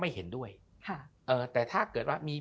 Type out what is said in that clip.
ไม่เห็นด้วยแต่ถ้าเกิดว่ามี